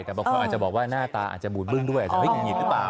แต่บางคนอาจจะบอกว่าหน้าตาอาจจะบูดบึ้งด้วยอาจจะไม่หุดหงิดหรือเปล่า